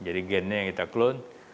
jadi gennya yang kita clone